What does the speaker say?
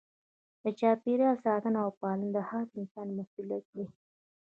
د چاپیریال ساتنه او پالنه د هر انسان مسؤلیت دی.